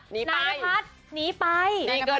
นายนพัดหนีไป